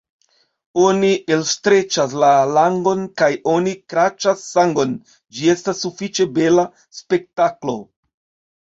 Oni elstreĉas la langon kaj oni kraĉas sangon; ĝi estas sufiĉe bela spektaklo.